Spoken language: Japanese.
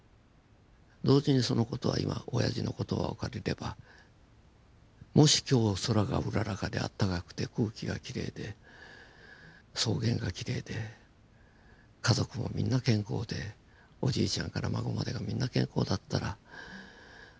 同時にその事は今おやじの言葉を借りればもし今日空がうららかで暖かくて空気がきれいで草原がきれいで家族もみんな健康でおじいちゃんから孫までがみんな健康だったらそしたらその草原に行って家族みんなで